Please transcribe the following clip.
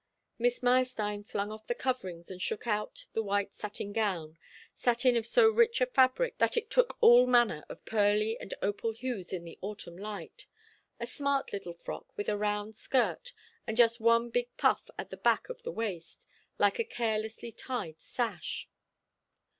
Miss Meyerstein flung off the coverings, and shook out the white satin gown, satin of so rich a fabric that it took all manner of pearly and opal hues in the autumn light a smart little frock, with a round skirt, and just one big puff at the back of the waist, like a carelessly tied sash.